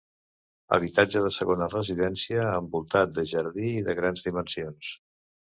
Habitatge de segona residència, envoltat de jardí i de grans dimensions.